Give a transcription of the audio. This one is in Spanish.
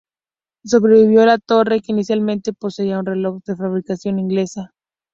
Sobrevivió la torre, que inicialmente poseía un reloj de fabricación inglesa.